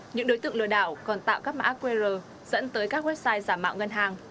những đối tượng lừa đảo còn tạo các mã qr dẫn tới các website giảm mạng ngân hàng